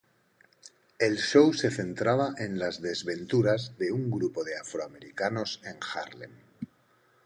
El show se centraba en las desventuras de un grupo de afroamericanos en Harlem.